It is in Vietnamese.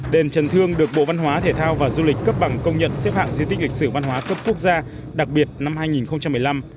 đền trần thương được bộ văn hóa thể thao và du lịch cấp bằng công nhận xếp hạng di tích lịch sử văn hóa cấp quốc gia đặc biệt năm hai nghìn một mươi năm